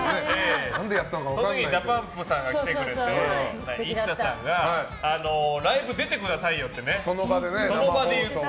その時にＤＡＰＵＭＰさんが来てくれてＩＳＳＡさんがライブ出てくださいよってその場で言って。